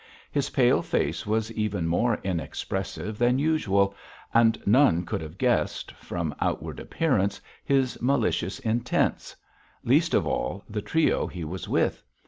His pale face was even more inexpressive than usual, and none could have guessed, from outward appearance, his malicious intents least of all the trio he was with.